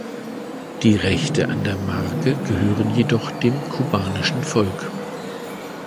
Die Rechte an der Marke gehören jedoch dem kubanischen Volk.